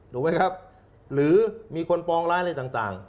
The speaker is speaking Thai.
ถูกไหมครับหรือมีคนปองร้ายอะไรต่าง